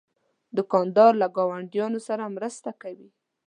دوکاندار له ګاونډیانو سره مرسته کوي.